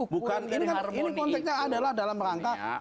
bukan ini kan konteksnya adalah dalam rangka